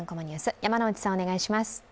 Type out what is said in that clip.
山内さん、お願いします。